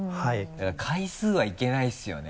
だから回数はいけないですよね。